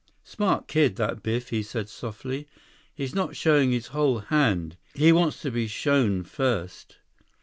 "Smart kid, that Biff," he said softly. "He's not showing his whole hand. He wants to be shown first."